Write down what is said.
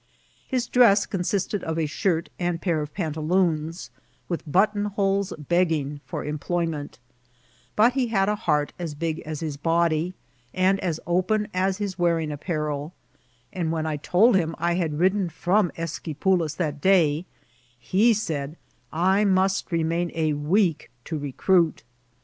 His dress consisted of a ^irt and pair of panta* loonsy with button holes begging for employment ; but he had a heart as big as his body, and as open as his wearing apparel ; and when I told him I had ridden from Esiquipulas that day, he said I must remain a week to recruit.